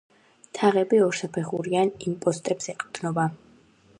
თაღები ორსაფეხურიან იმპოსტებს ეყრდნობა.